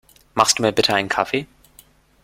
Machst du mir bitte einen Kaffee?